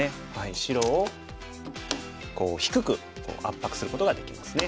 白をこう低く圧迫することができますね。